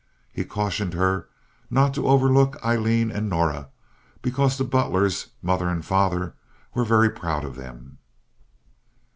He cautioned her not to overlook Aileen and Norah, because the Butlers, mother and father, were very proud of them.